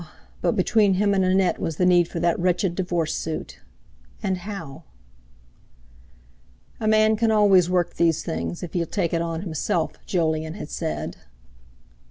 but between him and Annette was the need for that wretched divorce suit! And how? "A man can always work these things, if he'll take it on himself," Jolyon had said.